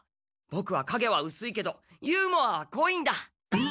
ボクはかげはうすいけどユーモアはこいんだ。